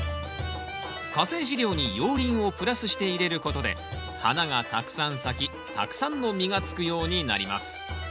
化成肥料に熔リンをプラスして入れることで花がたくさん咲きたくさんの実がつくようになります。